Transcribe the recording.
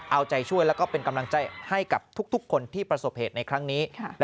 เอาใจช่วยแล้วก็เป็นกำลังใจให้กับทุกคนที่ประสบเหตุในครั้งนี้